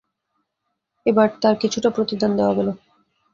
এবার তার কিছুটা প্রতিদান দেয়া গেল।